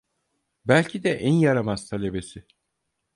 Belki de en yaramaz talebesi.